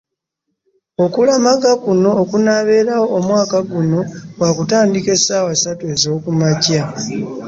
Okulamaga kuno okunaabeerawo omwaka guno, kwakutandika essaawa ssatu ez’okumakya